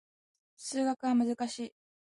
数学は難しい